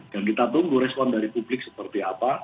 dan kita tunggu respon dari publik seperti apa